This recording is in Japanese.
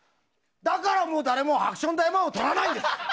だから、もう誰も「ハクション大魔王」を撮らないんです。